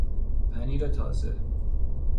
پنیر تازه